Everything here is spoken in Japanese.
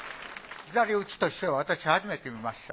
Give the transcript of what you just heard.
左打ちとしては私初めて見ました。